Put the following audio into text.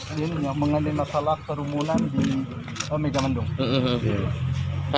tiga orang siapa aja pak